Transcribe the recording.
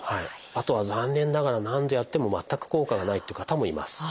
あとは残念ながら何度やっても全く効果がないという方もいます。